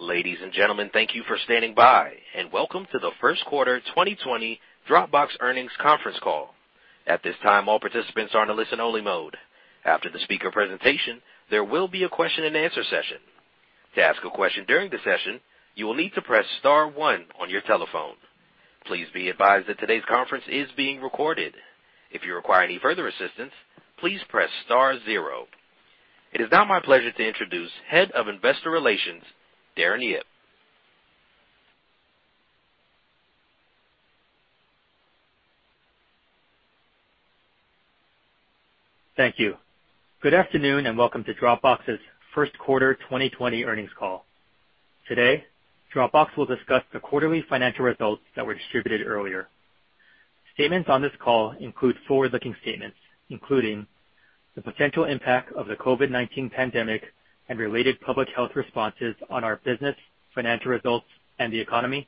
Ladies and gentlemen, thank you for standing by. Welcome to the first quarter 2020 Dropbox earnings conference call. At this time, all participants are in a listen-only mode. After the speaker presentation, there will be a question and answer session. To ask a question during the session, you will need to press star one on your telephone. Please be advised that today's conference is being recorded. If you require any further assistance, please press star zero. It is now my pleasure to introduce Head of Investor Relations, Darren Yip. Thank you. Good afternoon, and welcome to Dropbox's first quarter 2020 earnings call. Today, Dropbox will discuss the quarterly financial results that were distributed earlier. Statements on this call include forward-looking statements, including the potential impact of the COVID-19 pandemic and related public health responses on our business, financial results, and the economy,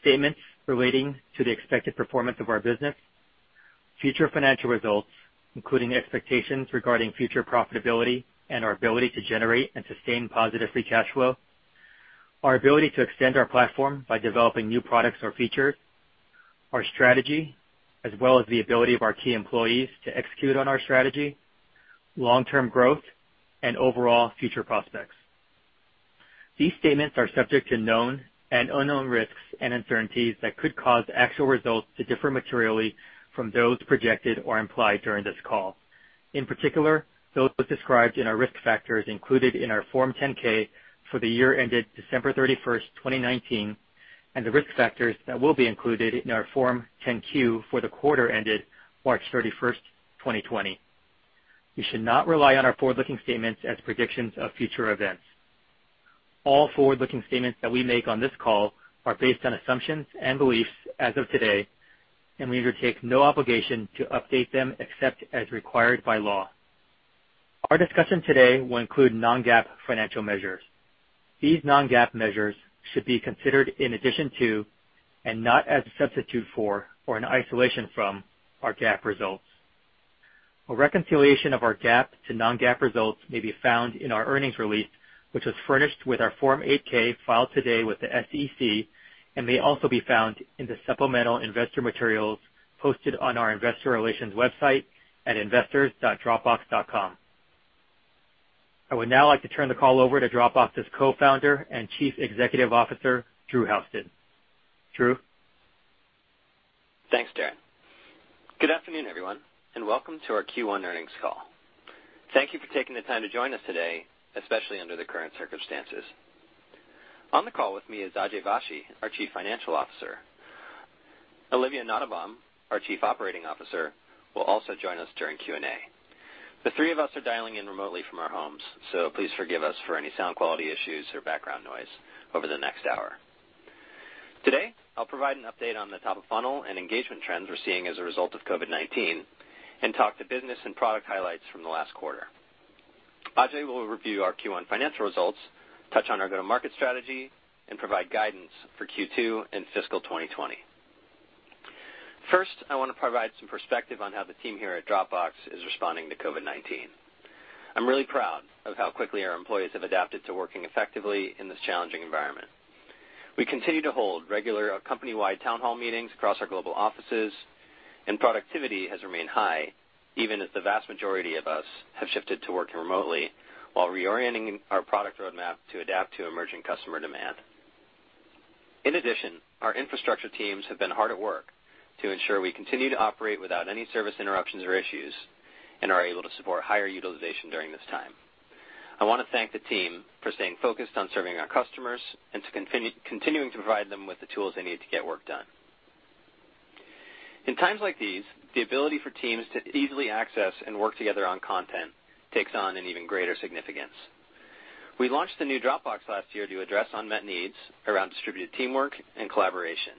statements relating to the expected performance of our business, future financial results, including expectations regarding future profitability and our ability to generate and sustain positive free cash flow, our ability to extend our platform by developing new products or features, our strategy, as well as the ability of our key employees to execute on our strategy, long-term growth, and overall future prospects. These statements are subject to known and unknown risks and uncertainties that could cause actual results to differ materially from those projected or implied during this call. In particular, those described in our risk factors included in our Form 10-K for the year ended December 31st, 2019, and the risk factors that will be included in our Form 10-Q for the quarter ended March 31st, 2020. You should not rely on our forward-looking statements as predictions of future events. All forward-looking statements that we make on this call are based on assumptions and beliefs as of today, and we undertake no obligation to update them except as required by law. Our discussion today will include non-GAAP financial measures. These non-GAAP measures should be considered in addition to, and not as a substitute for or in isolation from, our GAAP results. A reconciliation of our GAAP to non-GAAP results may be found in our earnings release, which was furnished with our Form 8-K filed today with the SEC and may also be found in the supplemental investor materials posted on our investor relations website at investors.dropbox.com. I would now like to turn the call over to Dropbox's Co-founder and Chief Executive Officer, Drew Houston. Drew? Thanks, Darren. Good afternoon, everyone. Welcome to our Q1 earnings call. Thank you for taking the time to join us today, especially under the current circumstances. On the call with me is Ajay Vashee, our Chief Financial Officer. Olivia Nottebohm, our Chief Operating Officer, will also join us during Q&A. The three of us are dialing in remotely from our homes. Please forgive us for any sound quality issues or background noise over the next hour. Today, I'll provide an update on the top-of-funnel and engagement trends we're seeing as a result of COVID-19 and talk to business and product highlights from the last quarter. Ajay will review our Q1 financial results, touch on our go-to-market strategy, and provide guidance for Q2 and fiscal 2020. First, I want to provide some perspective on how the team here at Dropbox is responding to COVID-19. I'm really proud of how quickly our employees have adapted to working effectively in this challenging environment. We continue to hold regular company-wide town hall meetings across our global offices, and productivity has remained high, even as the vast majority of us have shifted to working remotely while reorienting our product roadmap to adapt to emerging customer demand. In addition, our infrastructure teams have been hard at work to ensure we continue to operate without any service interruptions or issues and are able to support higher utilization during this time. I want to thank the team for staying focused on serving our customers and continuing to provide them with the tools they need to get work done. In times like these, the ability for teams to easily access and work together on content takes on an even greater significance. We launched the new Dropbox last year to address unmet needs around distributed teamwork and collaboration.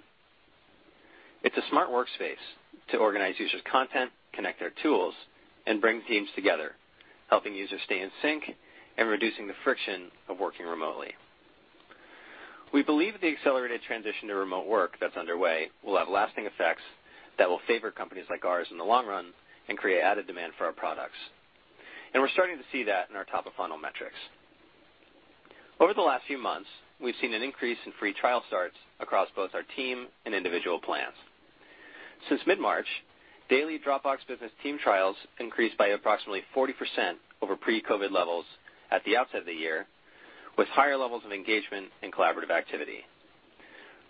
It's a smart workspace to organize users' content, connect their tools, and bring teams together, helping users stay in sync and reducing the friction of working remotely. We believe the accelerated transition to remote work that's underway will have lasting effects that will favor companies like ours in the long run and create added demand for our products. We're starting to see that in our top-of-funnel metrics. Over the last few months, we've seen an increase in free trial starts across both our team and individual plans. Since mid-March, daily Dropbox Business team trials increased by approximately 40% over pre-COVID levels at the outset of the year, with higher levels of engagement and collaborative activity.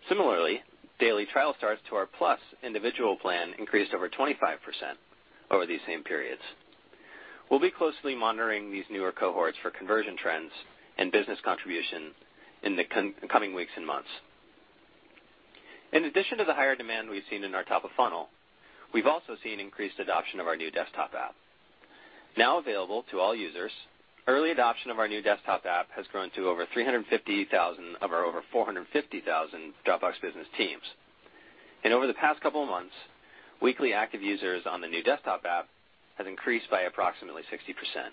Similarly, daily trial starts to our Plus individual plan increased over 25% over these same periods. We'll be closely monitoring these newer cohorts for conversion trends and business contribution in the coming weeks and months. In addition to the higher demand we've seen in our top-of-funnel, we've also seen increased adoption of our new desktop app. Now available to all users, early adoption of our new desktop app has grown to over 350,000 of our over 450,000 Dropbox Business teams. Over the past couple of months, weekly active users on the new desktop app have increased by approximately 60%.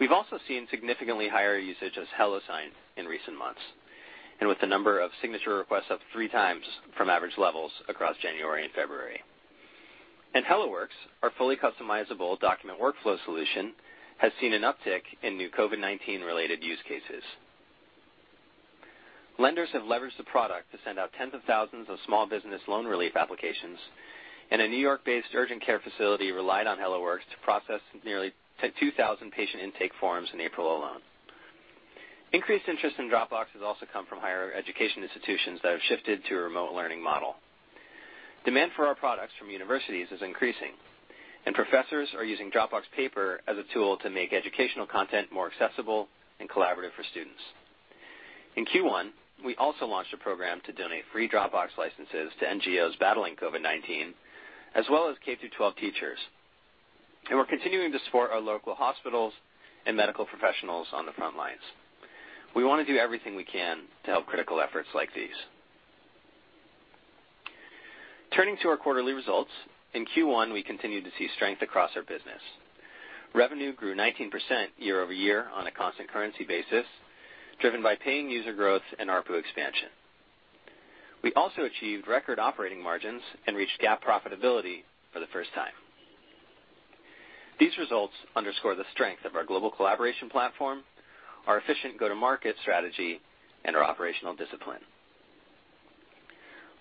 We've also seen significantly higher usage of HelloSign in recent months, and with the number of signature requests up three times from average levels across January and February. HelloWorks, our fully customizable document workflow solution, has seen an uptick in new COVID-19 related use cases. Lenders have leveraged the product to send out tens of thousands of small business loan relief applications, and a New York-based urgent care facility relied on HelloWorks to process nearly 2,000 patient intake forms in April alone. Increased interest in Dropbox has also come from higher education institutions that have shifted to a remote learning model. Demand for our products from universities is increasing, and professors are using Dropbox Paper as a tool to make educational content more accessible and collaborative for students. In Q1, we also launched a program to donate free Dropbox licenses to NGOs battling COVID-19, as well as K-12 teachers. We're continuing to support our local hospitals and medical professionals on the front lines. We want to do everything we can to help critical efforts like these. Turning to our quarterly results, in Q1, we continued to see strength across our business. Revenue grew 19% year-over-year on a constant currency basis, driven by paying user growth and ARPU expansion. We also achieved record operating margins and reached GAAP profitability for the first time. These results underscore the strength of our global collaboration platform, our efficient go-to-market strategy, and our operational discipline.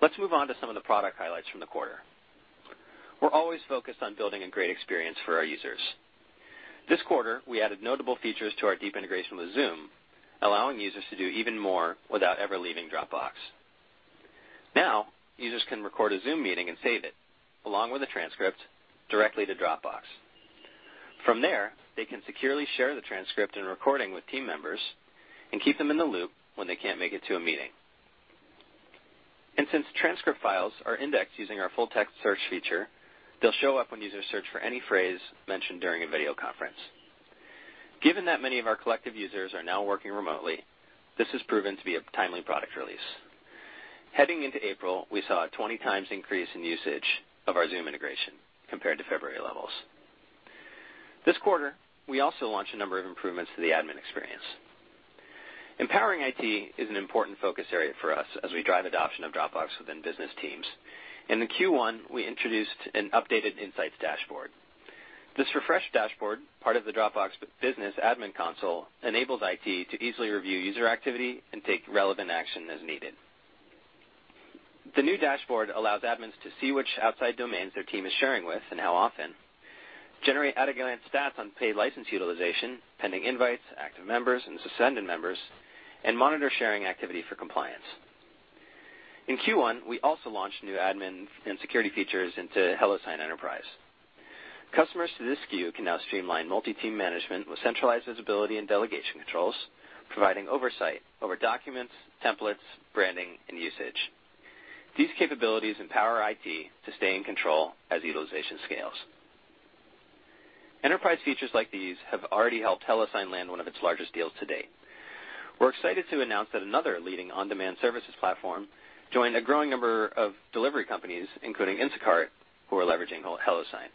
Let's move on to some of the product highlights from the quarter. We're always focused on building a great experience for our users. This quarter, we added notable features to our deep integration with Zoom, allowing users to do even more without ever leaving Dropbox. Now, users can record a Zoom meeting and save it, along with a transcript, directly to Dropbox. From there, they can securely share the transcript and recording with team members and keep them in the loop when they can't make it to a meeting. Since transcript files are indexed using our full text search feature, they'll show up when users search for any phrase mentioned during a video conference. Given that many of our collective users are now working remotely, this has proven to be a timely product release. Heading into April, we saw a 20x increase in usage of our Zoom integration compared to February levels. This quarter, we also launched a number of improvements to the admin experience. Empowering IT is an important focus area for us as we drive adoption of Dropbox within business teams. In the Q1, we introduced an updated insights dashboard. This refreshed dashboard, part of the Dropbox Business admin console, enables IT to easily review user activity and take relevant action as needed. The new dashboard allows admins to see which outside domains their team is sharing with and how often, generate at-a-glance stats on paid license utilization, pending invites, active members, and suspended members, and monitor sharing activity for compliance. In Q1, we also launched new admin and security features into HelloSign Enterprise. Customers to this SKU can now streamline multi-team management with centralized visibility and delegation controls, providing oversight over documents, templates, branding, and usage. These capabilities empower IT to stay in control as utilization scales. Enterprise features like these have already helped HelloSign land one of its largest deals to date. We're excited to announce that another leading on-demand services platform joined a growing number of delivery companies, including Instacart, who are leveraging HelloSign.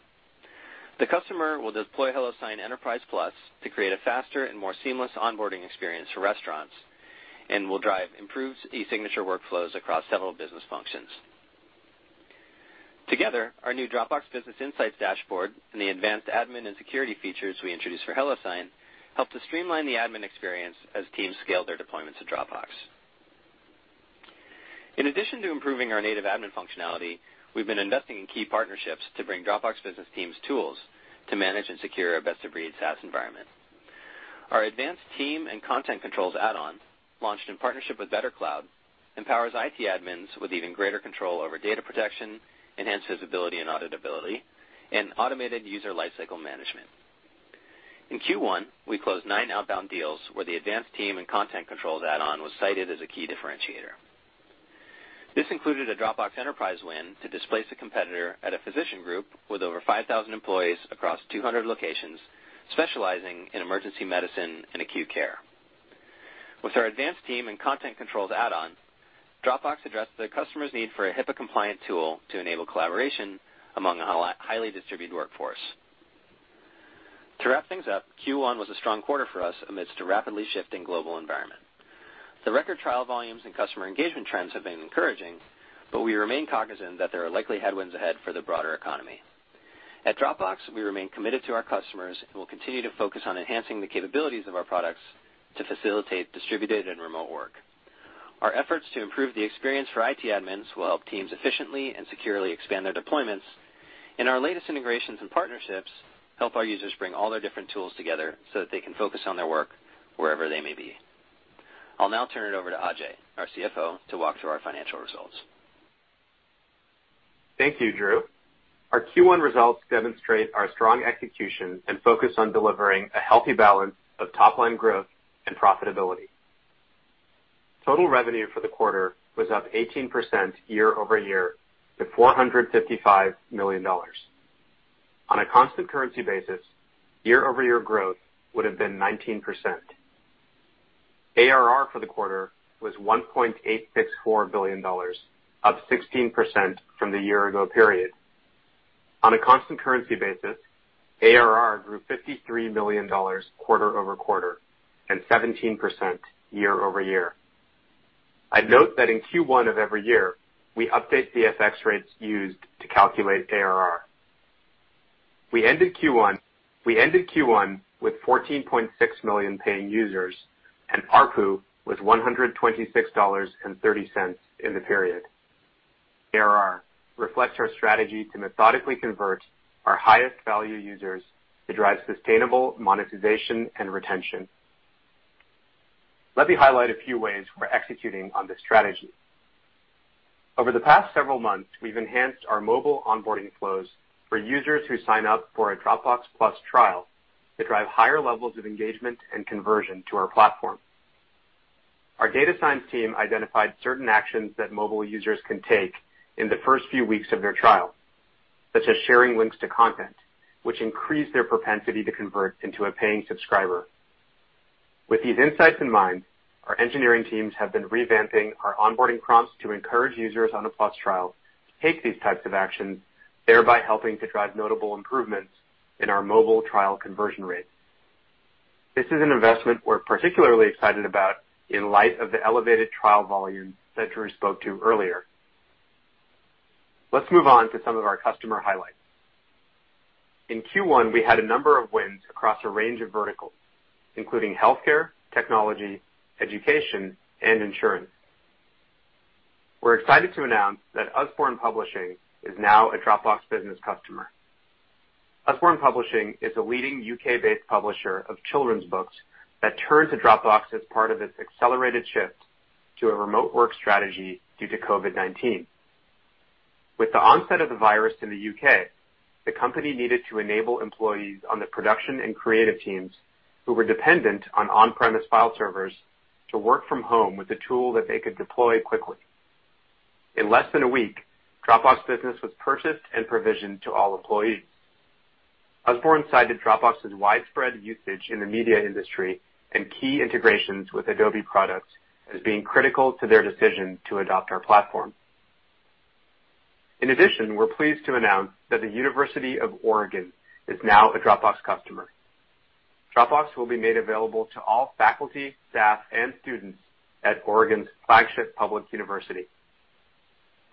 The customer will deploy HelloSign Enterprise Plus to create a faster and more seamless onboarding experience for restaurants and will drive improved e-signature workflows across several business functions. Together, our new Dropbox Business insights dashboard and the advanced admin and security features we introduced for HelloSign help to streamline the admin experience as teams scale their deployments to Dropbox. In addition to improving our native admin functionality, we've been investing in key partnerships to bring Dropbox Business teams tools to manage and secure a best-of-breed SaaS environment. Our advanced team and content controls add-on, launched in partnership with BetterCloud, empowers IT admins with even greater control over data protection, enhanced visibility and auditability, and automated user lifecycle management. In Q1, we closed nine outbound deals where the advanced team and content controls add-on was cited as a key differentiator. This included a Dropbox Enterprise win to displace a competitor at a physician group with over 5,000 employees across 200 locations, specializing in emergency medicine and acute care. With our advanced team and content controls add-on, Dropbox addressed the customer's need for a HIPAA-compliant tool to enable collaboration among a highly distributed workforce. To wrap things up, Q1 was a strong quarter for us amidst a rapidly shifting global environment. The record trial volumes and customer engagement trends have been encouraging, but we remain cognizant that there are likely headwinds ahead for the broader economy. At Dropbox, we remain committed to our customers and will continue to focus on enhancing the capabilities of our products to facilitate distributed and remote work. Our efforts to improve the experience for IT admins will help teams efficiently and securely expand their deployments, and our latest integrations and partnerships help our users bring all their different tools together so that they can focus on their work wherever they may be. I'll now turn it over to Ajay, our CFO, to walk through our financial results. Thank you, Drew. Our Q1 results demonstrate our strong execution and focus on delivering a healthy balance of top-line growth and profitability. Total revenue for the quarter was up 18% year-over-year to $455 million. On a constant currency basis, year-over-year growth would have been 19%. ARR for the quarter was $1.864 billion, up 16% from the year-ago period. On a constant currency basis, ARR grew $53 million quarter-over-quarter and 17% year-over-year. I note that in Q1 of every year, we update the FX rates used to calculate ARR. We ended Q1 with 14.6 million paying users, and ARPU was $126.30 in the period. ARR reflects our strategy to methodically convert our highest value users to drive sustainable monetization and retention. Let me highlight a few ways we're executing on this strategy. Over the past several months, we've enhanced our mobile onboarding flows for users who sign up for a Dropbox Plus trial to drive higher levels of engagement and conversion to our platform. Our data science team identified certain actions that mobile users can take in the first few weeks of their trial, such as sharing links to content, which increase their propensity to convert into a paying subscriber. With these insights in mind, our engineering teams have been revamping our onboarding prompts to encourage users on a Plus trial to take these types of actions, thereby helping to drive notable improvements in our mobile trial conversion rate. This is an investment we're particularly excited about in light of the elevated trial volume that Drew spoke to earlier. Let's move on to some of our customer highlights. In Q1, we had a number of wins across a range of verticals, including healthcare, technology, education, and insurance. We're excited to announce that Usborne Publishing is now a Dropbox Business customer. Usborne Publishing is a leading U.K.-based publisher of children's books that turned to Dropbox as part of its accelerated shift to a remote work strategy due to COVID-19. With the onset of the virus in the U.K., the company needed to enable employees on the production and creative teams who were dependent on on-premise file servers to work from home with a tool that they could deploy quickly. In less than one week, Dropbox Business was purchased and provisioned to all employees. Usborne cited Dropbox's widespread usage in the media industry and key integrations with Adobe products as being critical to their decision to adopt our platform. In addition, we're pleased to announce that the University of Oregon is now a Dropbox customer. Dropbox will be made available to all faculty, staff, and students at Oregon's flagship public university.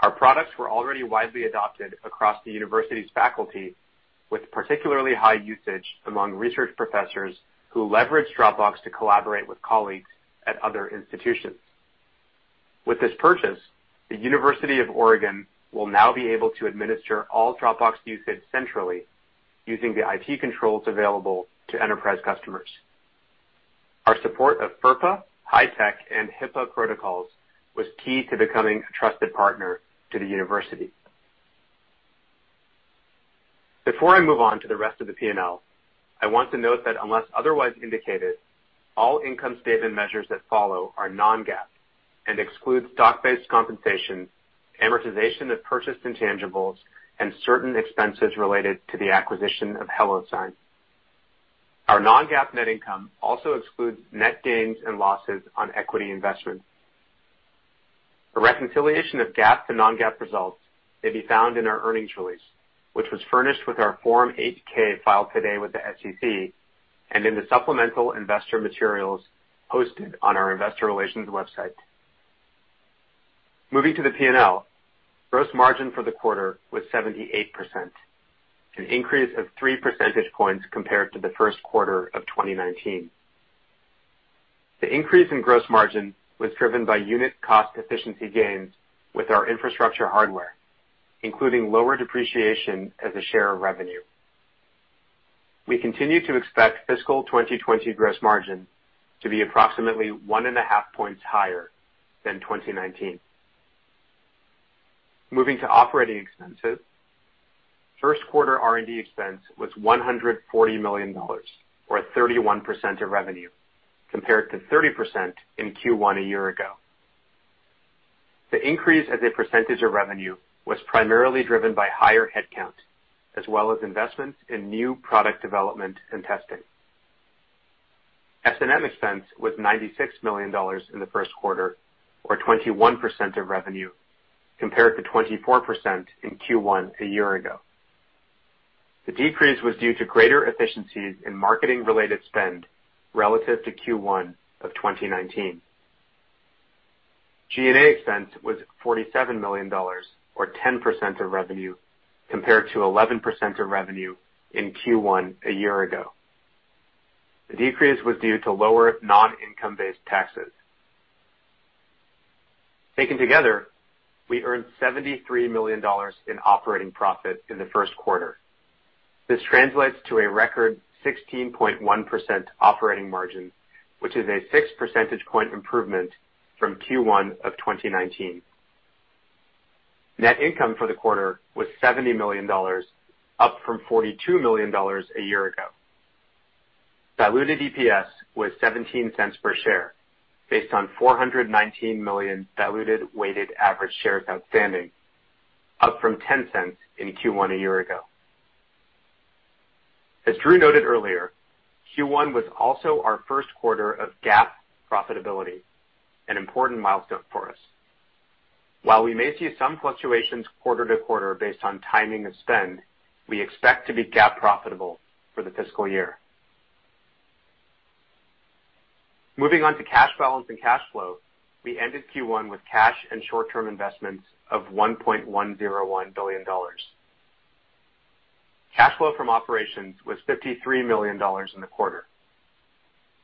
Our products were already widely adopted across the university's faculty, with particularly high usage among research professors who leveraged Dropbox to collaborate with colleagues at other institutions. With this purchase, the University of Oregon will now be able to administer all Dropbox usage centrally using the IT controls available to enterprise customers. Our support of FERPA, HITECH, and HIPAA protocols was key to becoming a trusted partner to the university. Before I move on to the rest of the P&L, I want to note that unless otherwise indicated, all income statement measures that follow are non-GAAP and exclude stock-based compensation, amortization of purchased intangibles, and certain expenses related to the acquisition of HelloSign. Our non-GAAP net income also excludes net gains and losses on equity investments. A reconciliation of GAAP to non-GAAP results may be found in our earnings release, which was furnished with our Form 8-K filed today with the SEC and in the supplemental investor materials hosted on our investor relations website. Moving to the P&L, gross margin for the quarter was 78%, an increase of 3 percentage points compared to the first quarter of 2019. The increase in gross margin was driven by unit cost efficiency gains with our infrastructure hardware, including lower depreciation as a share of revenue. We continue to expect fiscal 2020 gross margin to be approximately one and a half points higher than 2019. Moving to operating expenses, first quarter R&D expense was $140 million, or 31% of revenue, compared to 30% in Q1 a year ago. The increase as a percentage of revenue was primarily driven by higher headcount, as well as investments in new product development and testing. S&M expense was $96 million in the first quarter, or 21% of revenue, compared to 24% in Q1 a year ago. The decrease was due to greater efficiencies in marketing-related spend relative to Q1 of 2019. G&A expense was $47 million, or 10% of revenue, compared to 11% of revenue in Q1 a year ago. The decrease was due to lower non-income-based taxes. Taken together, we earned $73 million in operating profit in the first quarter. This translates to a record 16.1% operating margin, which is a 6 percentage point improvement from Q1 of 2019. Net income for the quarter was $70 million, up from $42 million a year ago. Diluted EPS was $0.17 per share based on 419 million diluted weighted average shares outstanding, up from $0.10 in Q1 a year ago. As Drew noted earlier, Q1 was also our first quarter of GAAP profitability, an important milestone for us. While we may see some fluctuations quarter-to-quarter based on timing of spend, we expect to be GAAP profitable for the fiscal year. Moving on to cash balance and cash flow. We ended Q1 with cash and short-term investments of $1.101 billion. Cash flow from operations was $53 million in the quarter.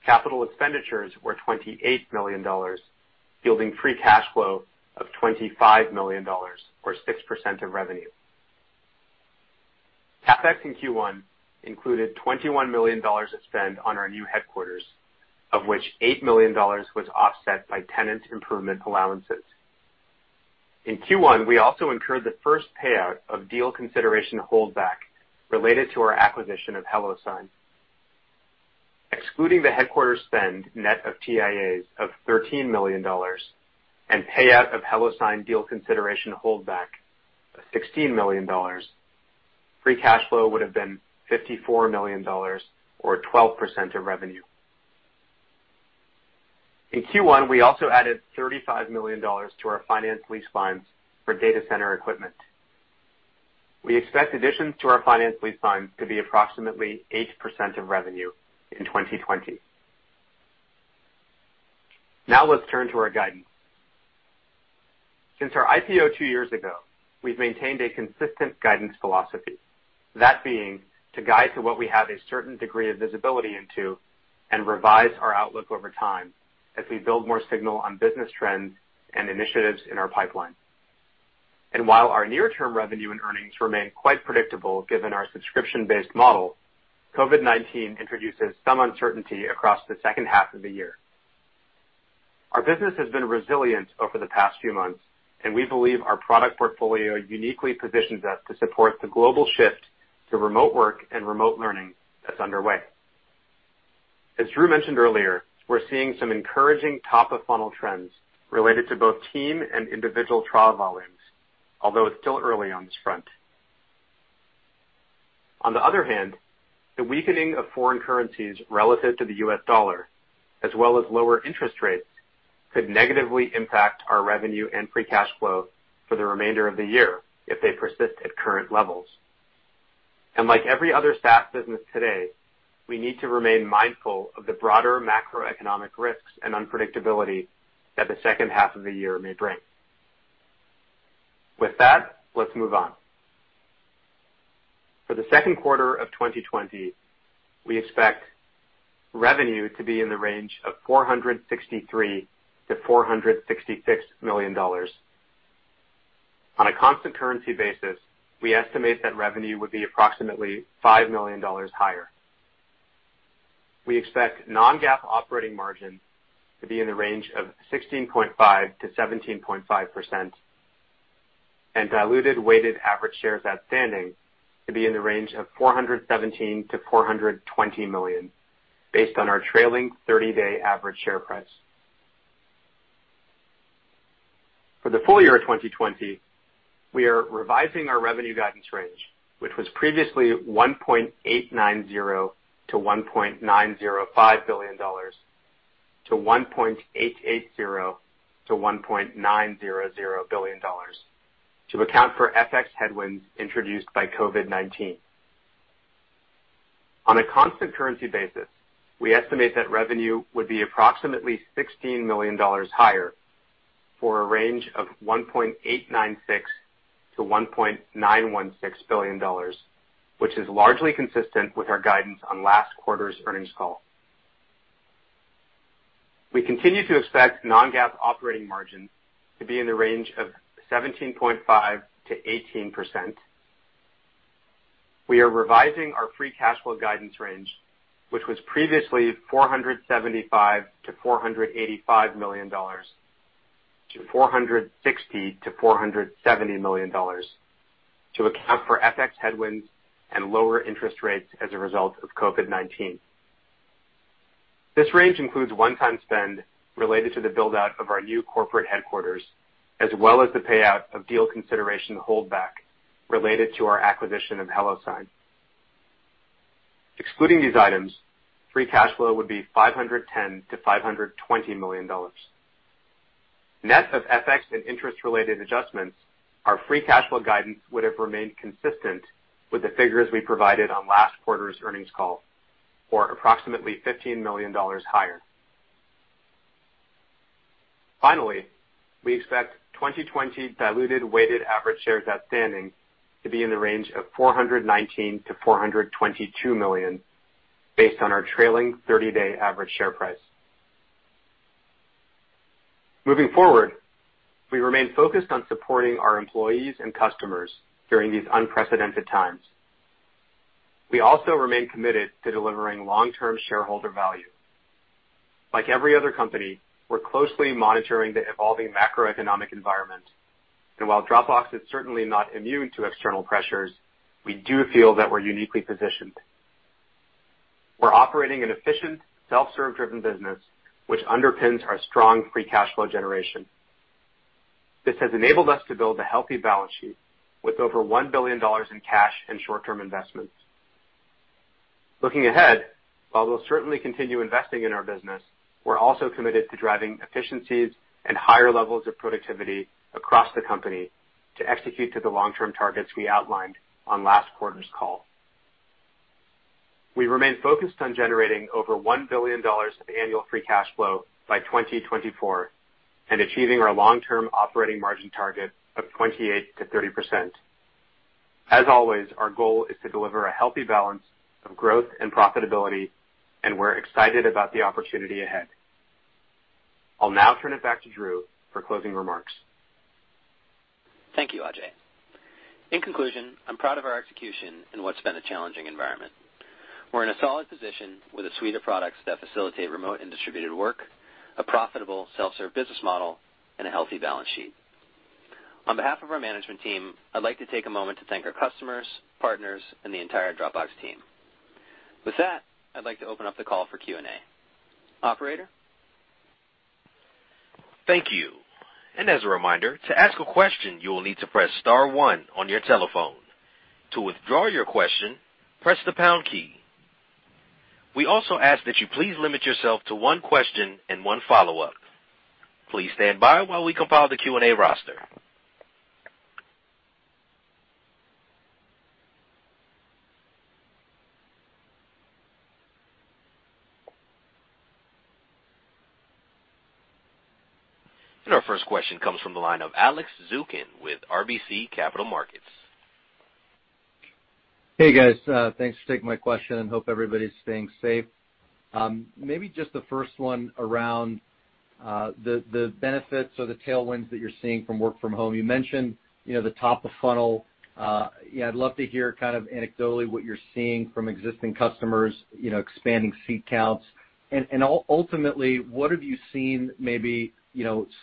Capital expenditures were $28 million, yielding free cash flow of $25 million or 6% of revenue. CapEx in Q1 included $21 million of spend on our new headquarters, of which $8 million was offset by tenant improvement allowances. In Q1, we also incurred the first payout of deal consideration holdback related to our acquisition of HelloSign. Excluding the headquarter spend net of TIAs of $13 million and payout of HelloSign deal consideration holdback of $16 million, free cash flow would have been $54 million or 12% of revenue. In Q1, we also added $35 million to our finance lease funds for data center equipment. We expect additions to our finance lease funds to be approximately 8% of revenue in 2020. Let's turn to our guidance. Since our IPO two years ago, we've maintained a consistent guidance philosophy, that being to guide to what we have a certain degree of visibility into and revise our outlook over time as we build more signal on business trends and initiatives in our pipeline. While our near term revenue and earnings remain quite predictable given our subscription-based model, COVID-19 introduces some uncertainty across the second half of the year. Our business has been resilient over the past few months, and we believe our product portfolio uniquely positions us to support the global shift to remote work and remote learning that's underway. As Drew mentioned earlier, we're seeing some encouraging top-of-funnel trends related to both team and individual trial volumes, although it's still early on this front. On the other hand, the weakening of foreign currencies relative to the US dollar, as well as lower interest rates, could negatively impact our revenue and free cash flow for the remainder of the year if they persist at current levels. Like every other SaaS business today, we need to remain mindful of the broader macroeconomic risks and unpredictability that the second half of the year may bring. With that, let's move on. For the second quarter of 2020, we expect revenue to be in the range of $463 million-$466 million. On a constant currency basis, we estimate that revenue would be approximately $5 million higher. We expect non-GAAP operating margin to be in the range of 16.5%-17.5%, and diluted weighted average shares outstanding to be in the range of 417 million-420 million, based on our trailing 30-day average share price. For the full year of 2020, we are revising our revenue guidance range, which was previously $1.890 billion-$1.905 billion, to $1.880 billion-$1.900 billion to account for FX headwinds introduced by COVID-19. On a constant currency basis, we estimate that revenue would be approximately $16 million higher, for a range of $1.896 billion-$1.916 billion, which is largely consistent with our guidance on last quarter's earnings call. We continue to expect non-GAAP operating margins to be in the range of 17.5%-18%. We are revising our free cash flow guidance range, which was previously $475 million-$485 million, to $460 million-$470 million to account for FX headwinds and lower interest rates as a result of COVID-19. This range includes one-time spend related to the build-out of our new corporate headquarters, as well as the payout of deal consideration holdback related to our acquisition of HelloSign. Excluding these items, free cash flow would be $510 million-$520 million. Net of FX and interest related adjustments, our free cash flow guidance would have remained consistent with the figures we provided on last quarter's earnings call, or approximately $15 million higher. We expect 2020 diluted weighted average shares outstanding to be in the range of 419 million-422 million based on our trailing 30-day average share price. Moving forward, we remain focused on supporting our employees and customers during these unprecedented times. We also remain committed to delivering long-term shareholder value. Like every other company, we're closely monitoring the evolving macroeconomic environment. While Dropbox is certainly not immune to external pressures, we do feel that we're uniquely positioned. We're operating an efficient, self-serve driven business, which underpins our strong free cash flow generation. This has enabled us to build a healthy balance sheet with over $1 billion in cash and short-term investments. Looking ahead, while we'll certainly continue investing in our business, we're also committed to driving efficiencies and higher levels of productivity across the company to execute to the long-term targets we outlined on last quarter's call. We remain focused on generating over $1 billion of annual free cash flow by 2024 and achieving our long-term operating margin target of 28%-30%. As always, our goal is to deliver a healthy balance of growth and profitability, we're excited about the opportunity ahead. I'll now turn it back to Drew for closing remarks. Thank you, Ajay. In conclusion, I'm proud of our execution in what's been a challenging environment. We're in a solid position with a suite of products that facilitate remote and distributed work, a profitable self-serve business model, and a healthy balance sheet. On behalf of our management team, I'd like to take a moment to thank our customers, partners, and the entire Dropbox team. I'd like to open up the call for Q&A. Operator? Thank you. As a reminder, to ask a question, you will need to press star one on your telephone. To withdraw your question, press the pound key. We also ask that you please limit yourself to one question and one follow-up. Please stand by while we compile the Q&A roster. Our first question comes from the line of Alex Zukin with RBC Capital Markets. Hey, guys. Thanks for taking my question. Hope everybody's staying safe. Maybe just the first one around the benefits or the tailwinds that you're seeing from work from home. You mentioned the top-of-funnel. I'd love to hear kind of anecdotally what you're seeing from existing customers expanding seat counts. Ultimately, what have you seen maybe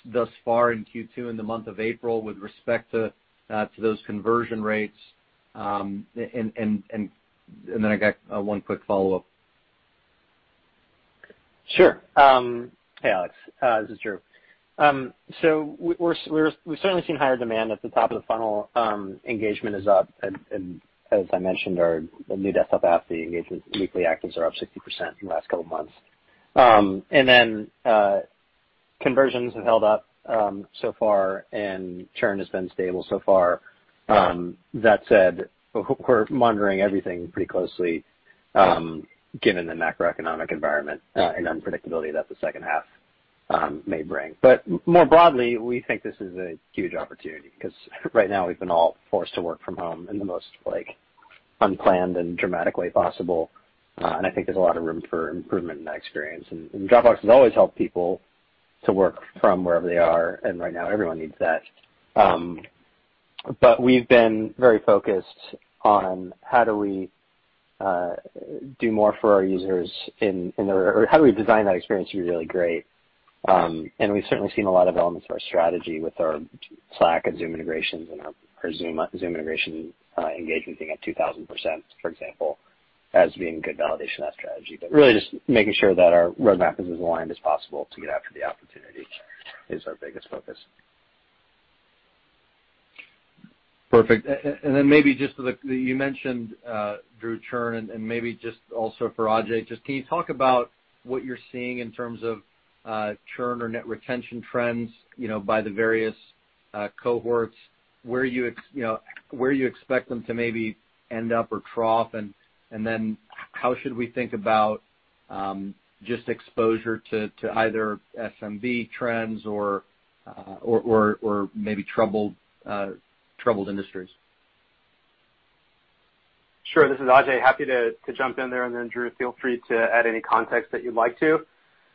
thus far in Q2, in the month of April, with respect to those conversion rates? I got one quick follow-up. Sure. Hey, Alex. This is Drew. We're certainly seeing higher demand at the top of the funnel. Engagement is up, and as I mentioned, our new desktop app, the weekly actives are up 60% in the last couple of months. Conversions have held up so far, and churn has been stable so far. We're monitoring everything pretty closely given the macroeconomic environment and unpredictability that the second half may bring. We think this is a huge opportunity because right now we've been all forced to work from home in the most unplanned and dramatic way possible, and I think there's a lot of room for improvement in that experience. Dropbox has always helped people to work from wherever they are, and right now everyone needs that. We've been very focused on how do we do more for our users or how do we design that experience to be really great. We've certainly seen a lot of elements of our strategy with our Slack and Zoom integrations and our Zoom integration engagement being up 2,000%, for example, as being good validation of that strategy. Really just making sure that our roadmap is as aligned as possible to get after the opportunity is our biggest focus. Perfect. Maybe just you mentioned, Drew, churn and maybe just also for Ajay, just can you talk about what you're seeing in terms of churn or net retention trends by the various cohorts, where you expect them to maybe end up or trough, and then how should we think about just exposure to either SMB trends or maybe troubled industries? Sure. This is Ajay. Happy to jump in there, Drew, feel free to add any context that you'd like to.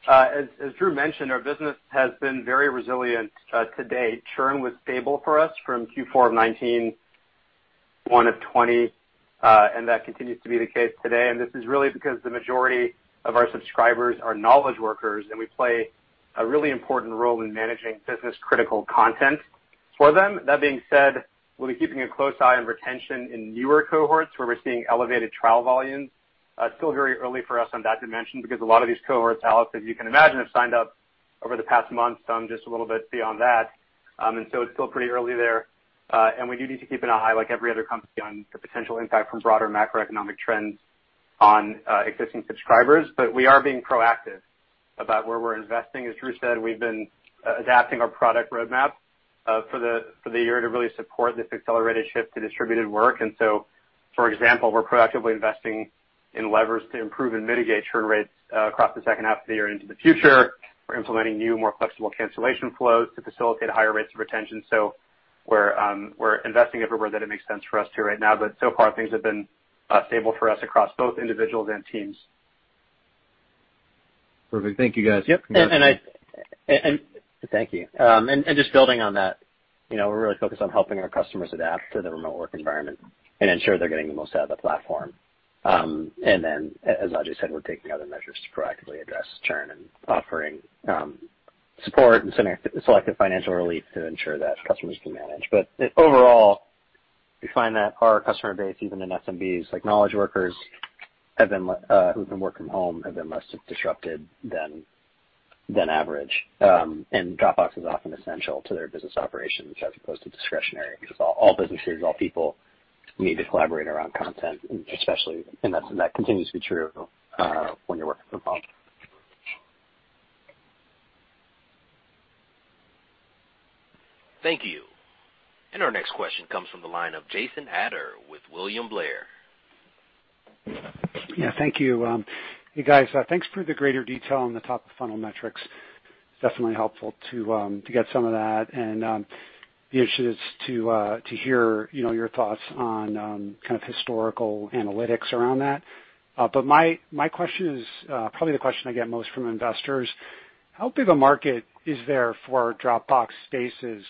As Drew mentioned, our business has been very resilient to date. Churn was stable for us from Q4 2019, Q1 2020, that continues to be the case today. This is really because the majority of our subscribers are knowledge workers, we play a really important role in managing business-critical content for them. That being said, we'll be keeping a close eye on retention in newer cohorts, where we're seeing elevated trial volumes. Still very early for us on that dimension because a lot of these cohorts, Alex, as you can imagine, have signed up over the past month, some just a little bit beyond that. It's still pretty early there. We do need to keep an eye, like every other company, on the potential impact from broader macroeconomic trends on existing subscribers. We are being proactive about where we're investing. As Drew said, we've been adapting our product roadmap for the year to really support this accelerated shift to distributed work. For example, we're proactively investing in levers to improve and mitigate churn rates across the second half of the year into the future. We're implementing new, more flexible cancellation flows to facilitate higher rates of retention. We're investing everywhere that it makes sense for us to right now. So far, things have been stable for us across both individuals and teams. Perfect. Thank you, guys. Yep. Thank you. Just building on that, we're really focused on helping our customers adapt to the remote work environment and ensure they're getting the most out of the platform. Then, as Ajay said, we're taking other measures to proactively address churn and offering support and selective financial relief to ensure that customers can manage. Overall, we find that our customer base, even in SMBs, like knowledge workers who have been working from home, have been less disrupted than average. Dropbox is often essential to their business operations as opposed to discretionary because all businesses, all people need to collaborate around content, and that continues to be true when you're working from home. Thank you. Our next question comes from the line of Jason Ader with William Blair. Yeah, thank you. Hey, guys. Thanks for the greater detail on the top-of-funnel metrics. It's definitely helpful to get some of that, and the insights to hear your thoughts on kind of historical analytics around that. My question is probably the question I get most from investors. How big a market is there for Dropbox Spaces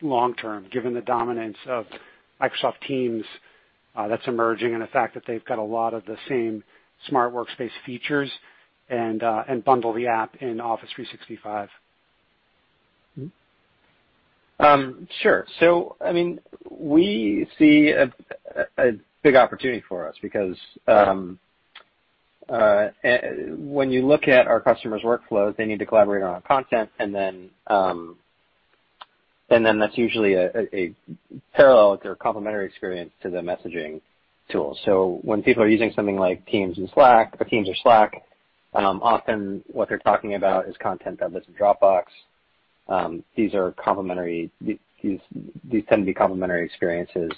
long term, given the dominance of Microsoft Teams that's emerging, and the fact that they've got a lot of the same smart workspace features and bundle the app in Office 365? Sure. We see a big opportunity for us because when you look at our customers' workflows, they need to collaborate on our content, and then that's usually a parallel or complementary experience to the messaging tool. When people are using something like Microsoft Teams and Slack, or Microsoft Teams or Slack, often what they're talking about is content that lives in Dropbox. These tend to be complementary experiences.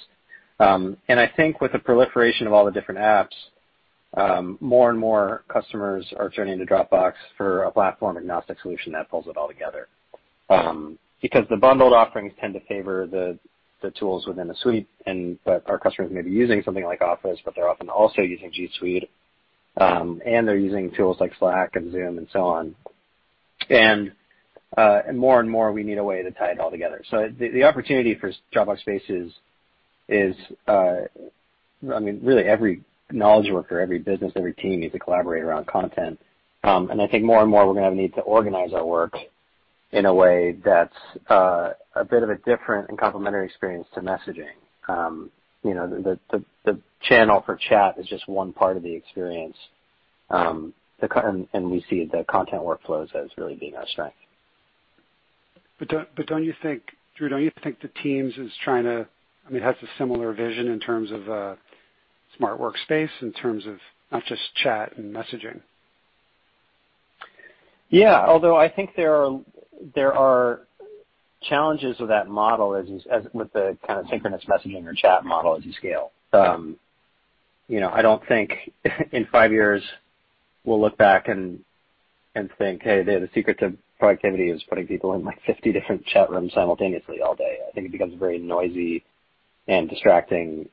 I think with the proliferation of all the different apps, more and more customers are turning to Dropbox for a platform-agnostic solution that pulls it all together. Because the bundled offerings tend to favor the tools within a suite, but our customers may be using something like Microsoft Office, but they're often also using G Suite, and they're using tools like Slack and Zoom and so on. More and more, we need a way to tie it all together. The opportunity for Dropbox Spaces is, really every knowledge worker, every business, every team needs to collaborate around content. I think more and more, we're going to have a need to organize our work in a way that's a bit of a different and complementary experience to messaging. The channel for chat is just one part of the experience, and we see the content workflows as really being our strength. Drew, don't you think the Teams has a similar vision in terms of a smart workspace, in terms of not just chat and messaging? Yeah. Although, I think there are challenges with that model, as with the kind of synchronous messaging or chat model as you scale. Yeah. I don't think in five years we'll look back and think, "Hey, the secret to productivity is putting people in like 50 different chat rooms simultaneously all day." I think it becomes a very noisy and distracting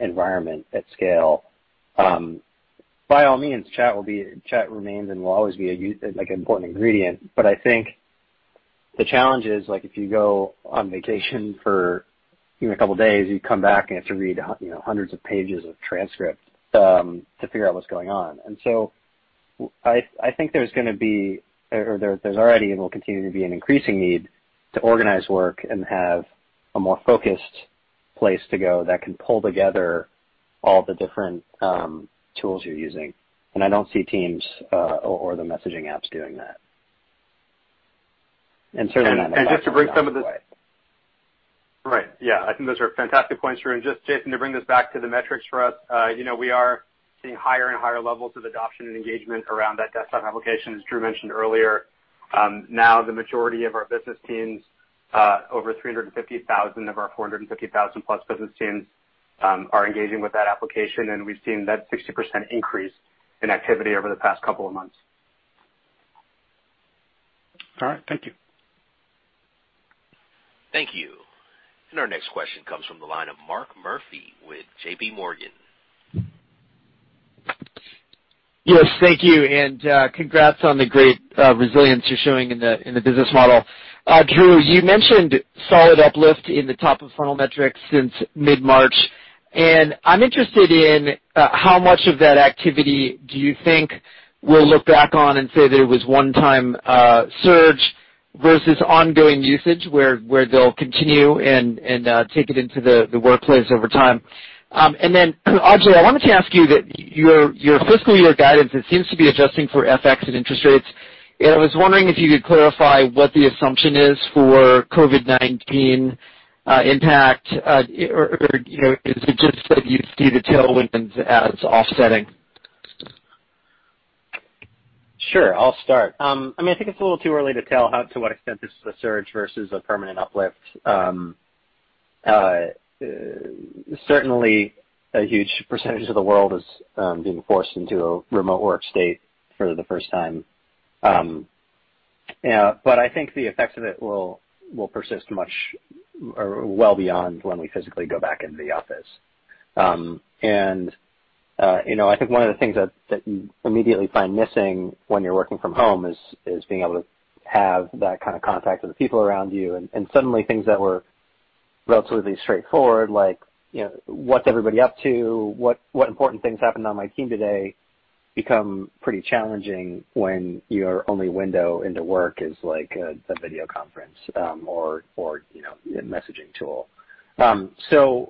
environment at scale. By all means, chat will be, chat remains and will always be like an important ingredient. I think the challenge is, like if you go on vacation for a couple of days, you come back and you have to read hundreds of pages of transcripts to figure out what's going on. I think there's going to be, or there's already and will continue to be an increasing need to organize work and have a more focused place to go that can pull together all the different tools you're using. I don't see Teams or the messaging apps doing that. Right. Yeah. I think those are fantastic points, Drew. Just Jason, to bring this back to the metrics for us. We are seeing higher and higher levels of adoption and engagement around that desktop application, as Drew mentioned earlier. Now, the majority of our business teams, over 350,000 of our 450,000+ business teams, are engaging with that application, and we've seen that 60% increase in activity over the past couple of months. All right. Thank you. Thank you. Our next question comes from the line of Mark Murphy with JPMorgan. Yes, thank you. Congrats on the great resilience you're showing in the business model. Drew, you mentioned solid uplift in the top-of-funnel metrics since mid-March, and I'm interested in how much of that activity do you think we'll look back on and say that it was one-time surge versus ongoing usage where they'll continue and take it into the workplace over time. Ajay, I wanted to ask you that your fiscal year guidance, it seems to be adjusting for FX and interest rates. I was wondering if you could clarify what the assumption is for COVID-19 impact, or is it just that you see the tailwinds as offsetting? Sure. I'll start. I think it's a little too early to tell to what extent this is a surge versus a permanent uplift. Certainly, a huge percentage of the world is being forced into a remote work state for the first time. I think the effects of it will persist much or well beyond when we physically go back into the office. I think one of the things that you immediately find missing when you're working from home is being able to have that kind of contact with the people around you. Suddenly things that were relatively straightforward, like what's everybody up to? What important things happened on my team today? Become pretty challenging when your only window into work is like a video conference, or a messaging tool.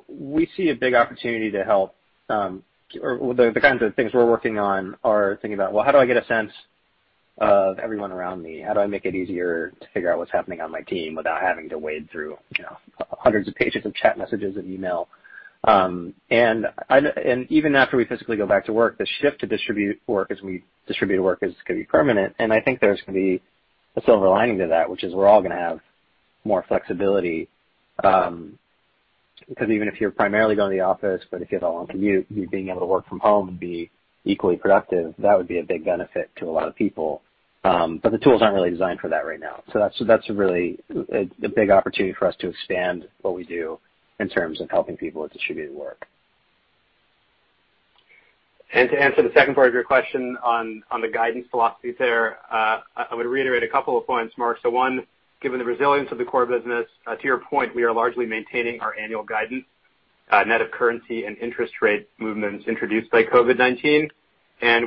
We see a big opportunity to help. The kinds of things we're working on are thinking about, well, how do I get a sense of everyone around me? How do I make it easier to figure out what's happening on my team without having to wade through hundreds of pages of chat messages and email? Even after we physically go back to work, the shift to distributed work is going to be permanent, and I think there's going to be a silver lining to that, which is we're all going to have more flexibility. Even if you're primarily going to the office, but if you have a long commute, you being able to work from home and be equally productive, that would be a big benefit to a lot of people. The tools aren't really designed for that right now. That's really a big opportunity for us to expand what we do in terms of helping people with distributed work. To answer the second part of your question on the guidance philosophy there, I would reiterate a couple of points, Mark. One, given the resilience of the core business, to your point, we are largely maintaining our annual guidance, net of currency and interest rate movements introduced by COVID-19.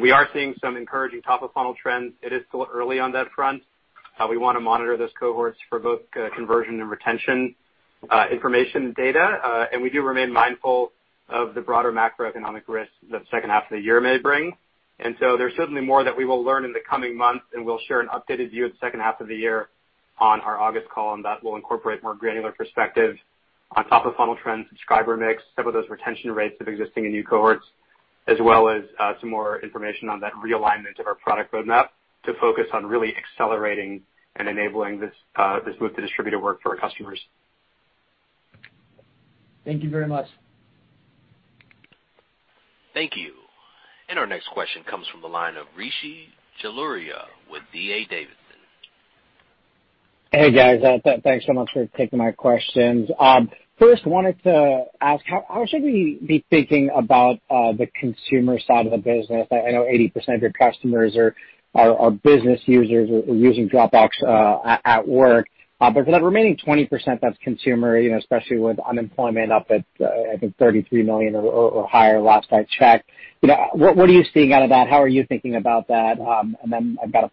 We are seeing some encouraging top-of-funnel trends. It is still early on that front. We want to monitor those cohorts for both conversion and retention information data. We do remain mindful of the broader macroeconomic risks that the second half of the year may bring. There's certainly more that we will learn in the coming months. We'll share an updated view of the second half of the year on our August call. That will incorporate more granular perspective on top-of-funnel trends, subscriber mix, some of those retention rates of existing and new cohorts, as well as some more information on that realignment of our product roadmap to focus on really accelerating and enabling this move to distributed work for our customers. Thank you very much. Thank you. Our next question comes from the line of Rishi Jaluria with D. A. Davidson. Hey, guys. Thanks so much for taking my questions. Wanted to ask, how should we be thinking about the consumer side of the business? I know 80% of your customers are business users or using Dropbox at work. For that remaining 20% that's consumer, especially with unemployment up at, I think, 33 million or higher last I checked, what are you seeing out of that? How are you thinking about that? I've got a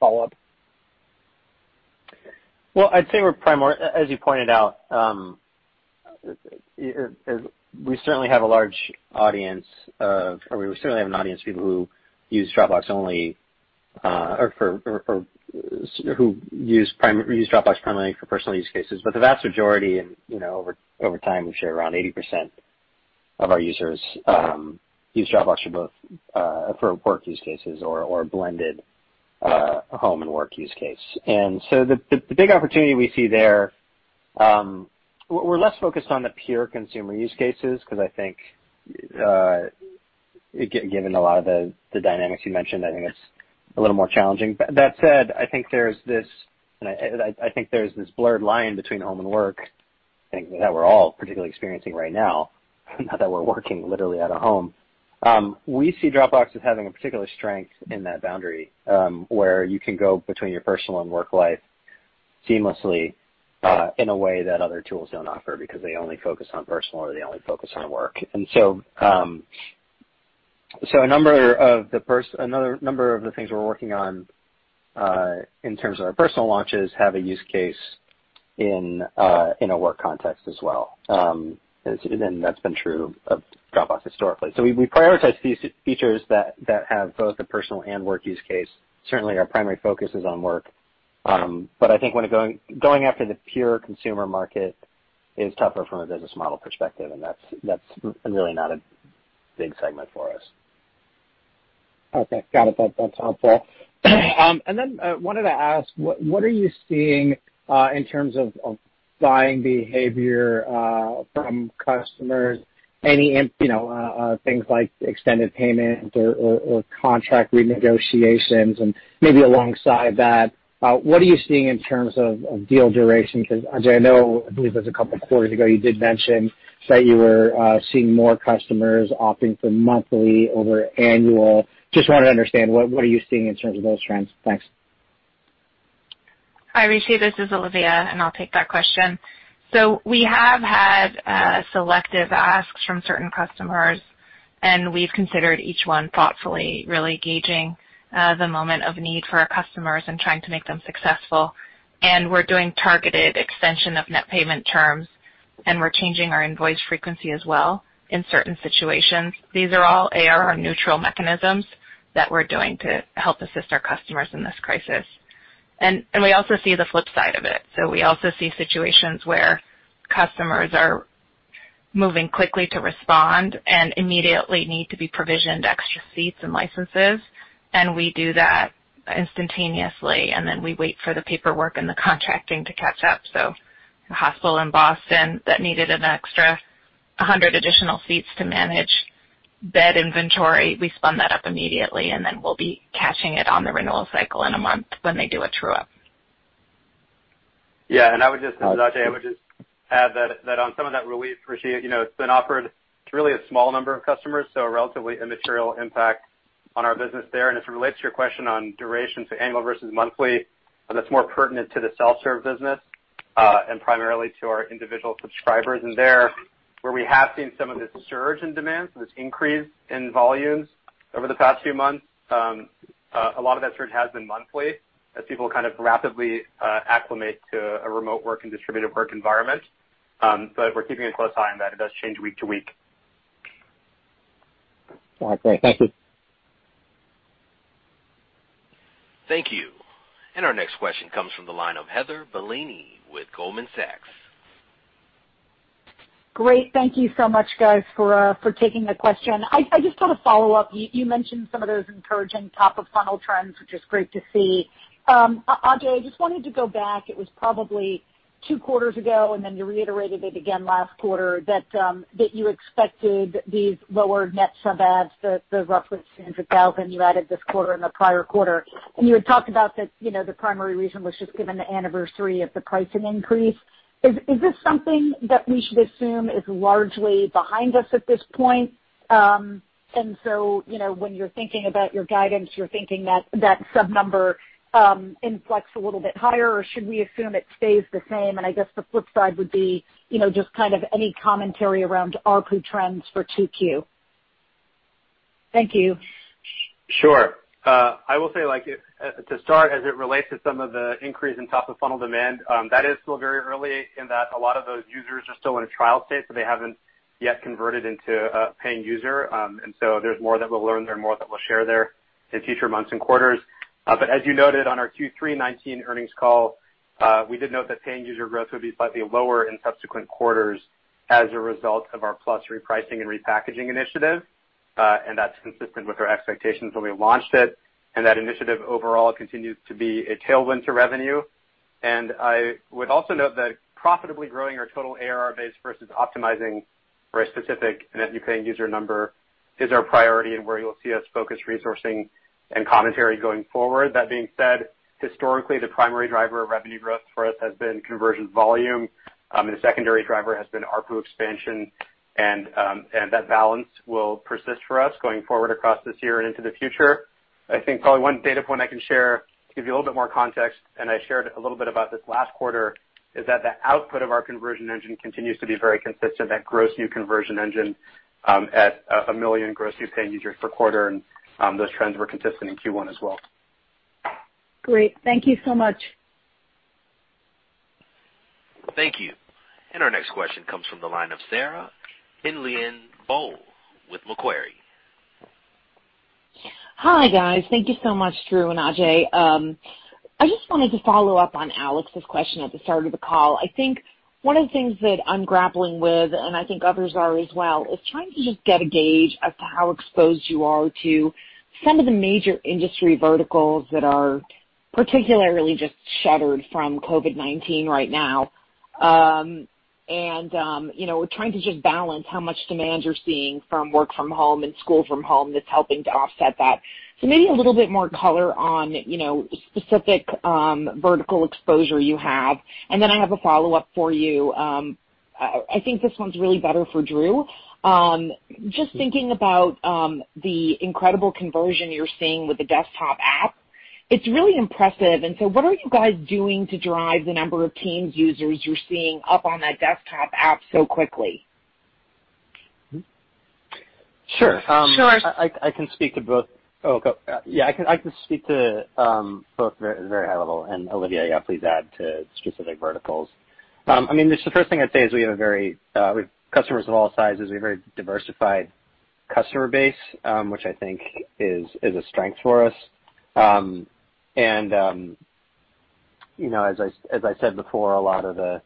follow-up. I'd say we're primarily, as you pointed out, we certainly have an audience of people who use Dropbox primarily for personal use cases. The vast majority, and over time, we've shared around 80% of our users use Dropbox for both for work use cases or a blended home and work use case. The big opportunity we see there, we're less focused on the pure consumer use cases because I think, given a lot of the dynamics you mentioned, I think it's a little more challenging. That said, I think there's this blurred line between home and work, I think, that we're all particularly experiencing right now that we're working literally out of home. We see Dropbox as having a particular strength in that boundary, where you can go between your personal and work life seamlessly, in a way that other tools don't offer, because they only focus on personal or they only focus on work. A number of the things we're working on, in terms of our personal launches, have a use case in a work context as well, and that's been true of Dropbox historically. We prioritize features that have both a personal and work use case. Certainly, our primary focus is on work. I think going after the pure consumer market is tougher from a business model perspective, and that's really not a big segment for us. Okay. Got it. That's helpful. Wanted to ask, what are you seeing in terms of buying behavior from customers? Any things like extended payment or contract renegotiations? Maybe alongside that, what are you seeing in terms of deal duration? Ajay, I know, I believe it was a couple of quarters ago, you did mention that you were seeing more customers opting for monthly over annual. Just wanted to understand, what are you seeing in terms of those trends? Thanks. Hi, Rishi, this is Olivia, and I'll take that question. We have had selective asks from certain customers, we've considered each one thoughtfully, really gauging the moment of need for our customers and trying to make them successful. We're doing targeted extension of net payment terms, and we're changing our invoice frequency as well in certain situations. These are all ARR neutral mechanisms that we're doing to help assist our customers in this crisis. We also see the flip side of it. We also see situations where customers are moving quickly to respond and immediately need to be provisioned extra seats and licenses, we do that instantaneously, and then we wait for the paperwork and the contracting to catch up. A hospital in Boston that needed an extra 100 additional seats to manage bed inventory, we spun that up immediately, and then we'll be catching it on the renewal cycle in a month when they do a true-up. Yeah, I would just add, Ajay, I would just add that on some of that relief, Rishi, it's been offered to really a small number of customers, so a relatively immaterial impact on our business there. As it relates to your question on duration to annual versus monthly, that's more pertinent to the self-serve business, and primarily to our individual subscribers. There, where we have seen some of this surge in demand, so this increase in volumes over the past few months, a lot of that surge has been monthly as people kind of rapidly acclimate to a remote work and distributed work environment. We're keeping a close eye on that. It does change week to week. Okay. Thank you. Thank you. Our next question comes from the line of Heather Bellini with Goldman Sachs. Great. Thank you so much, guys, for taking the question. I just want to follow up. You mentioned some of those encouraging top-of-funnel trends, which is great to see. Ajay, I just wanted to go back, it was probably two quarters ago, then you reiterated it again last quarter, that you expected these lower net sub adds, the roughly 200,000 you added this quarter and the prior quarter, and you had talked about that the primary reason was just given the anniversary of the pricing increase. Is this something that we should assume is largely behind us at this point? When you're thinking about your guidance, you're thinking that sub number inflects a little bit higher, or should we assume it stays the same? I guess the flip side would be, just kind of any commentary around ARPU trends for 2Q. Thank you. Sure. I will say, to start, as it relates to some of the increase in top-of-funnel demand, that is still very early in that a lot of those users are still in a trial state, so they haven't yet converted into a paying user. There's more that we'll learn there, more that we'll share there in future months and quarters. As you noted on our Q3 2019 earnings call, we did note that paying user growth would be slightly lower in subsequent quarters as a result of our Plus repricing and repackaging initiative. That's consistent with our expectations when we launched it, and that initiative overall continues to be a tailwind to revenue. I would also note that profitably growing our total ARR base versus optimizing for a specific net new paying user number is our priority and where you'll see us focus resourcing and commentary going forward. That being said, historically, the primary driver of revenue growth for us has been conversion volume, and the secondary driver has been ARPU expansion, and that balance will persist for us going forward across this year and into the future. I think probably one data point I can share to give you a little bit more context, and I shared a little bit about this last quarter, is that the output of our conversion engine continues to be very consistent, that gross new conversion engine, at 1 million gross new paying users per quarter, and those trends were consistent in Q1 as well. Great. Thank you so much. Thank you. Our next question comes from the line of Sarah Hindlian-Bowler with Macquarie. Hi, guys. Thank you so much, Drew and Ajay. I just wanted to follow up on Alex's question at the start of the call. I think one of the things that I'm grappling with, and I think others are as well, is trying to just get a gauge as to how exposed you are to some of the major industry verticals that are particularly just shattered from COVID-19 right now. We're trying to just balance how much demand you're seeing from work from home and school from home that's helping to offset that. Maybe a little bit more color on specific vertical exposure you have. I have a follow-up for you. I think this one's really better for Drew. Thinking about the incredible conversion you're seeing with the desktop app, it's really impressive. What are you guys doing to drive the number of Teams users you're seeing up on that desktop app so quickly? Sure. Sure. I can speak to both. Yeah, I can speak to both very high level. Olivia, yeah, please add to specific verticals. I mean, just the first thing I'd say is we have customers of all sizes. We have very diversified customer base, which I think is a strength for us. As I said before, a lot of the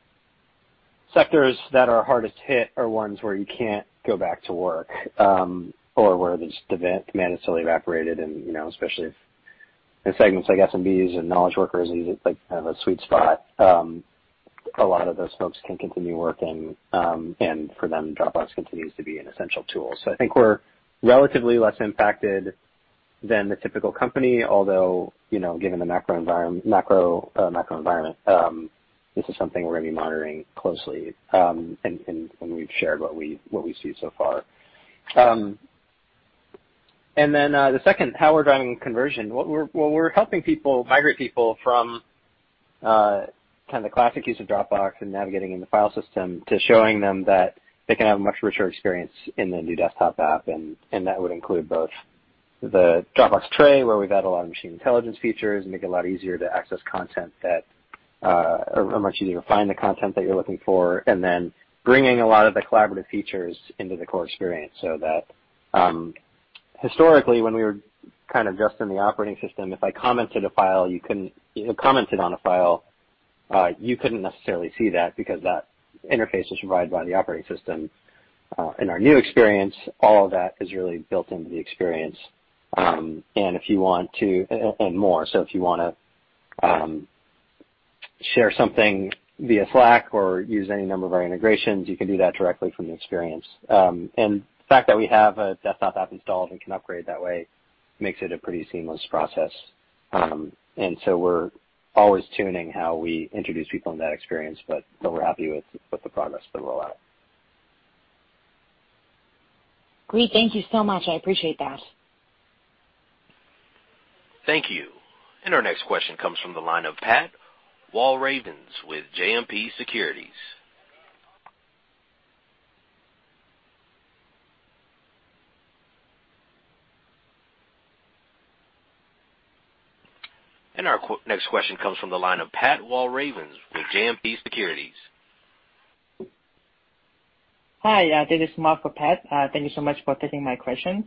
sectors that are hardest hit are ones where you can't go back to work, or where the demand has totally evaporated and, especially in segments like SMBs and knowledge workers, like kind of a sweet spot. A lot of those folks can continue working, and for them, Dropbox continues to be an essential tool. I think we're relatively less impacted than the typical company, although, given the macro environment, this is something we're going to be monitoring closely, and we've shared what we see so far. The second, how we're driving conversion. Well, we're helping people migrate people from kind of the classic use of Dropbox and navigating in the file system to showing them that they can have a much richer experience in the new desktop app, and that would include both the Dropbox tray, where we've added a lot of machine intelligence features, make it a lot easier to access content that, or much easier to find the content that you're looking for, and then bringing a lot of the collaborative features into the core experience so that... Historically, when we were kind of just in the operating system, if I commented on a file, you couldn't necessarily see that because that interface is provided by the operating system. In our new experience, all of that is really built into the experience, and more. If you want to share something via Slack or use any number of our integrations, you can do that directly from the experience. The fact that we have a desktop app installed and can upgrade that way makes it a pretty seamless process. We're always tuning how we introduce people into that experience, but we're happy with the progress of the rollout. Great. Thank you so much. I appreciate that. Thank you. Our next question comes from the line of Pat Walravens with JMP Securities. Hi, this is Mark from Pat. Thank you so much for taking my questions.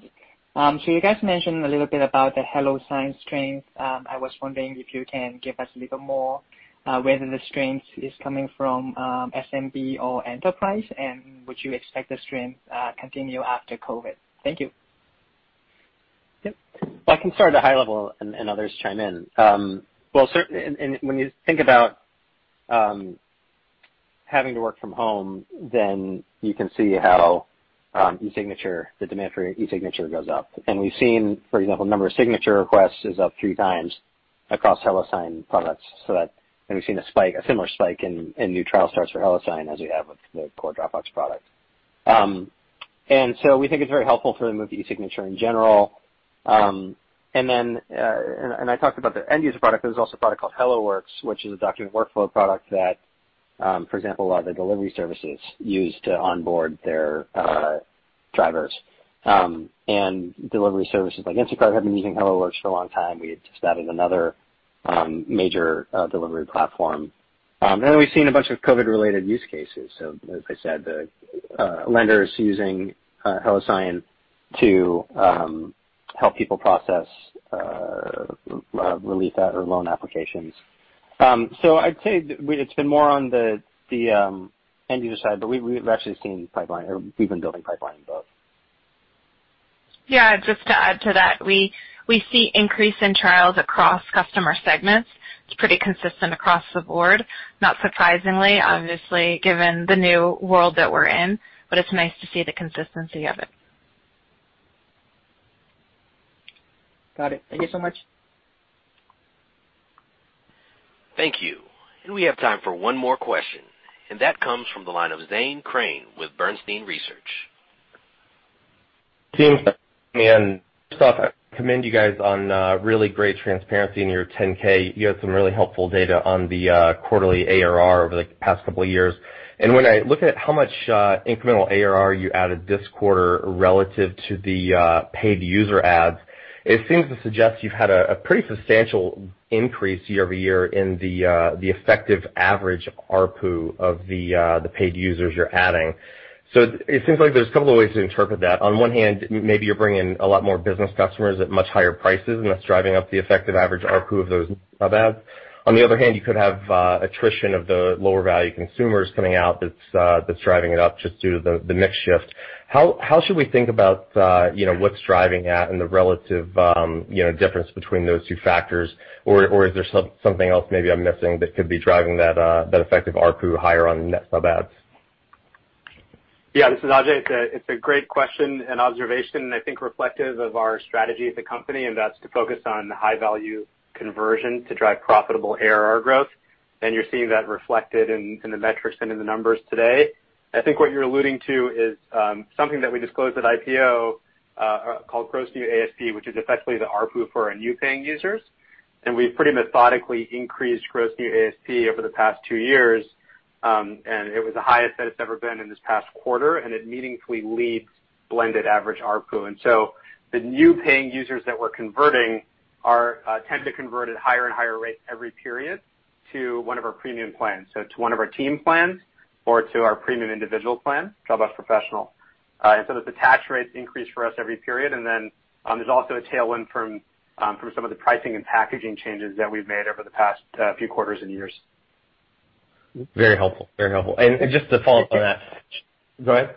You guys mentioned a little bit about the HelloSign strength. I was wondering if you can give us a little more, whether the strength is coming from SMB or enterprise, and would you expect the strength continue after COVID? Thank you. Yep. Well, I can start at a high level and others chime in. Well, certainly, when you think about having to work from home, you can see how e-signature, the demand for e-signature goes up. We've seen, for example, the number of signature requests is up three times across HelloSign products. We've seen a spike, a similar spike in new trial starts for HelloSign as we have with the core Dropbox product. We think it's very helpful for the move to e-signature in general. I talked about the end user product, there's also a product called HelloWorks, which is a document workflow product that, for example, a lot of the delivery services use to onboard their drivers. Delivery services like Instacart have been using HelloWorks for a long time. We just added another major delivery platform. Then we've seen a bunch of COVID-related use cases. As I said, the lenders using HelloSign to help people process relief or loan applications. I'd say it's been more on the end user side, but we've actually seen pipeline, or we've been building pipeline in both. Yeah, just to add to that, we see increase in trials across customer segments. It's pretty consistent across the board, not surprisingly, obviously, given the new world that we're in, but it's nice to see the consistency of it. Got it. Thank you so much. Thank you. We have time for one more question, and that comes from the line of Zane Chrane with Bernstein Research. Team, first off, I commend you guys on really great transparency in your Form 10-K. You had some really helpful data on the quarterly ARR over the past couple of years. When I look at how much incremental ARR you added this quarter relative to the paid user adds, it seems to suggest you've had a pretty substantial increase year-over-year in the effective average ARPU of the paid users you're adding. It seems like there's a couple of ways to interpret that. On one hand, maybe you're bringing a lot more business customers at much higher prices, and that's driving up the effective average ARPU of those sub adds. On the other hand, you could have attrition of the lower value consumers coming out that's driving it up just due to the mix shift. How should we think about what's driving at and the relative difference between those two factors? Is there something else maybe I'm missing that could be driving that effective ARPU higher on net sub adds? Yeah, this is Ajay. It's a great question and observation and I think reflective of our strategy as a company, and that's to focus on high-value conversion to drive profitable ARR growth. You're seeing that reflected in the metrics and in the numbers today. I think what you're alluding to is something that we disclosed at IPO, called gross new ASP, which is effectively the ARPU for our new paying users. We've pretty methodically increased gross new ASP over the past two years. It was the highest that it's ever been in this past quarter, and it meaningfully leads blended average ARPU. The new paying users that we're converting tend to convert at higher and higher rates every period to one of our premium plans. To one of our team plans or to our premium individual plan, Dropbox Professional. The attach rates increase for us every period, and then there's also a tailwind from some of the pricing and packaging changes that we've made over the past few quarters and years. Very helpful. Just to follow up on that. Go ahead.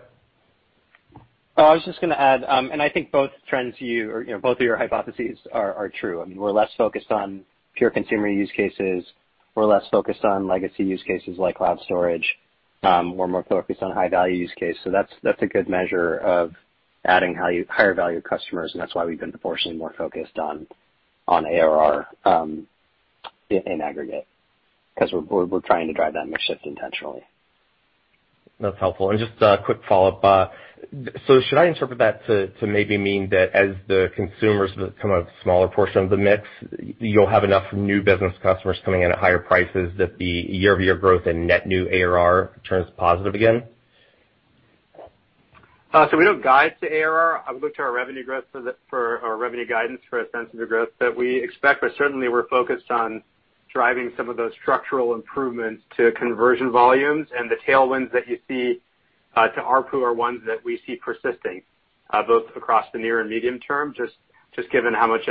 I was just going to add, I think both trends you, or both of your hypotheses are true. I mean, we're less focused on pure consumer use cases. We're less focused on legacy use cases like cloud storage. We're more focused on high-value use case. That's a good measure of adding higher value customers, and that's why we've been proportionally more focused on ARR in aggregate, because we're trying to drive that mix shift intentionally. That's helpful. Just a quick follow-up. Should I interpret that to maybe mean that as the consumers become a smaller portion of the mix, you'll have enough new business customers coming in at higher prices that the year-over-year growth and net new ARR turns positive again? We don't guide to ARR. I would look to our revenue growth for our revenue guidance for a sense of the growth that we expect. Certainly, we're focused on driving some of those structural improvements to conversion volumes. The tailwinds that you see to ARPU are ones that we see persisting, both across the near and medium term, just given how much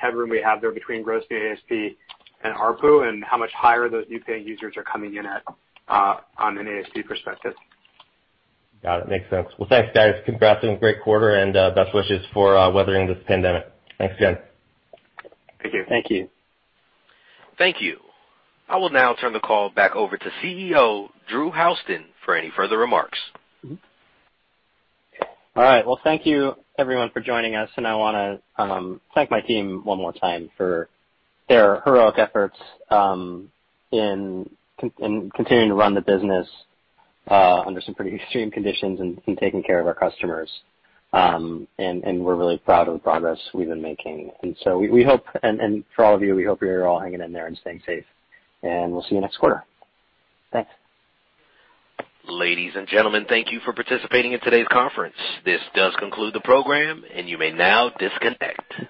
headroom we have there between gross new ASP and ARPU and how much higher those new paying users are coming in at on an ASP perspective. Got it. Makes sense. Well, thanks, guys. Congratulations. Great quarter, and best wishes for weathering this pandemic. Thanks again. Thank you. Thank you. Thank you. I will now turn the call back over to CEO, Drew Houston, for any further remarks. All right. Well, thank you everyone for joining us. I want to thank my team one more time for their heroic efforts in continuing to run the business under some pretty extreme conditions and taking care of our customers. We're really proud of the progress we've been making. For all of you, we hope you're all hanging in there and staying safe. We'll see you next quarter. Thanks. Ladies and gentlemen, thank you for participating in today's conference. This does conclude the program, and you may now disconnect.